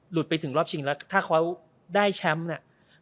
ไปถึงรอบชิงแล้วถ้าเขาได้แชมป์เนี่ย